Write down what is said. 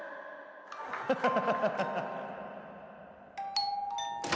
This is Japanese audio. ハハハハ！